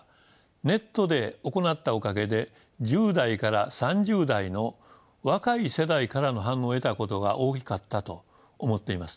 ネットで行ったおかげで１０代から３０代の若い世代からの反応を得たことが大きかったと思っています。